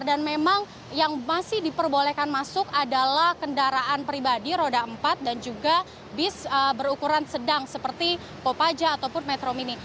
dan memang yang masih diperbolehkan masuk adalah kendaraan pribadi roda empat dan juga bis berukuran sedang seperti popaja ataupun metro mini